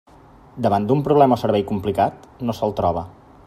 Davant d'un problema o un servei complicat, no se'l troba.